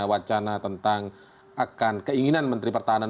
wacana tentang akan keinginan menteri pertahanan